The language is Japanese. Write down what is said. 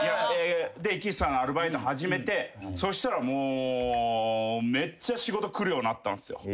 エキストラのアルバイト始めてそしたらもうめっちゃ仕事来るようになったんすよ。